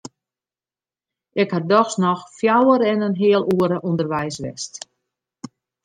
Ik ha dochs noch fjouwer en in heal oere ûnderweis west.